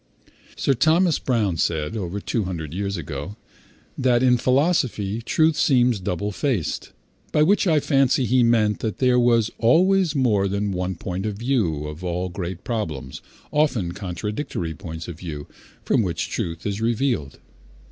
Sir Thomas Browne said, over two hundred years ago, that in philosophy truth seemed double faced, by which I fancy he meant that there was always more than one point of view of all great problems, often contradictory points of view, from which truth is revealed.